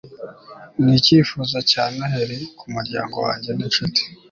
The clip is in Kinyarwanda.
ni icyifuzo cya noheri kumuryango wanjye ninshuti